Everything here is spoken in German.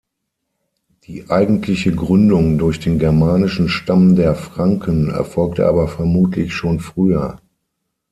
Die eigentliche Gründung durch den germanischen Stamm der Franken erfolgte aber vermutlich schon früher.